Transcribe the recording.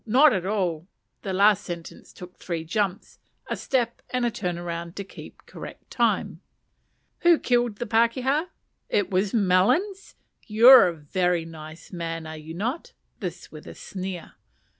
not at all! (the last sentence took three jumps, a step, and a turn round, to keep correct time.) Who killed the pakeha? It was Melons. You are a nice man, are you not? (this with a sneer.)